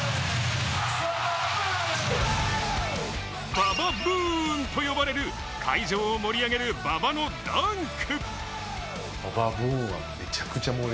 馬場ブーンと呼ばれる、会場を盛り上げる馬場のダンク。